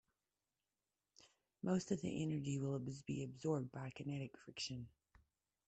Most of the energy will be absorbed by kinetic friction.